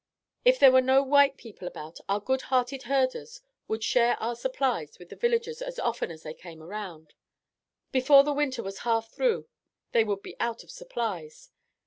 If there were no white people about, our good hearted herders would share our supplies with the villagers as often as they came around. Before the winter was half through they would be out of supplies.